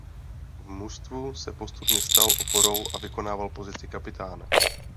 V mužstvu se postupně stal oporou a vykonával pozici kapitána.